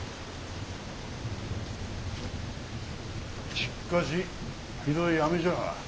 しかしひどい雨じゃ。